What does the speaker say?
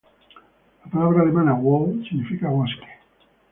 La palabra alemana "Wald" significa "bosque".